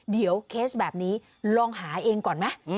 เดี๋ยวเคสแบบนี้ลองหาเองก่อนไหม